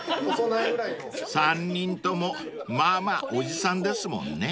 ［３人ともまぁまぁおじさんですもんね］